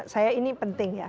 saya ini penting ya